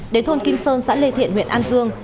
đến thôn kim sơn xã lê thiện huyện an dương